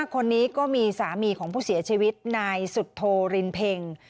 คนนี้ก็มีสามีของผู้เสียชีวิตนายสุโธรินเพ็ง